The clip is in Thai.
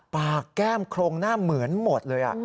แก้มโครงหน้าเหมือนหมดเลย